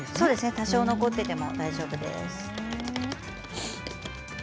多少残っていて大丈夫です。